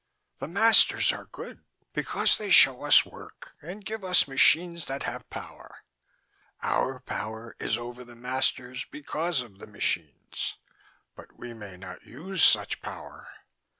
"The masters are good because they show us work and give us machines that have power. Our power is over the masters because of the machines. But we may not use such power.